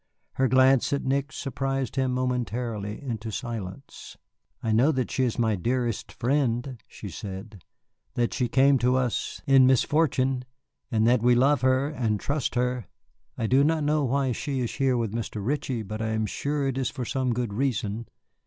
Her glance at Nick surprised him momentarily into silence. "I know that she is my dearest friend," she said, "that she came to us in misfortune, and that we love her and trust her. I do not know why she is here with Mr. Ritchie, but I am sure it is for some good reason."